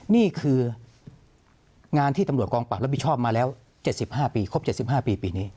นี่คืองานที่ตำรวจกองปราบรับผิดชอบมาแล้ว๗๕ปีครบ๗๕ปีปีนี้